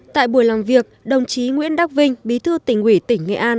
tại buổi làm việc đồng chí nguyễn đắc vinh bí thư tỉnh ủy tỉnh nghệ an